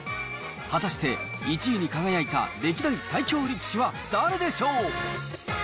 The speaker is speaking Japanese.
果たして、１位に輝いた歴代最強力士は誰でしょう？